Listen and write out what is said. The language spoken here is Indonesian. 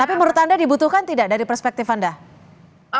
tapi menurut anda dibutuhkan tidak dari perspektif anda